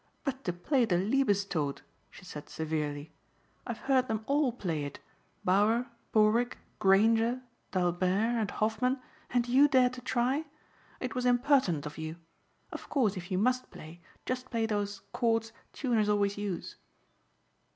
"But to play the Liebestod" she said severely. "I have heard them all play it, Bauer, Borwick, Grainger, d'Albert and Hoffman and you dare to try! It was impertinent of you. Of course if you must play just play those chords tuners always use."